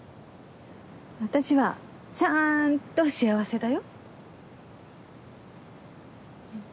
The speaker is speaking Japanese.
私はちゃんと幸せだよ。